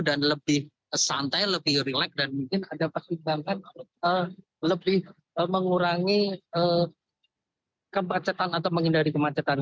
dan lebih santai lebih relax dan mungkin ada pertimbangan lebih mengurangi kemacetan atau menghindari kemacetan